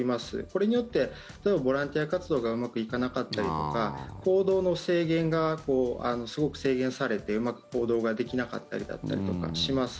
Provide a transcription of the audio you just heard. これによって例えばボランティア活動がうまくいかなかったりとか行動の制限がすごく制限されて、うまく行動ができなかったりとかします。